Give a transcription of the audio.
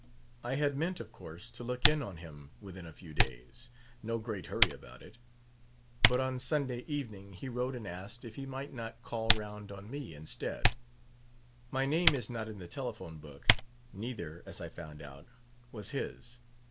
"I had meant, of course, to look in on him within a few days, no great hurry about it. But on Sunday evening he wrote and asked if he might not call round on me instead. My name is not in the telephone book; neither, as I found out, was his.